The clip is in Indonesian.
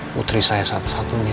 putri saya satu satunya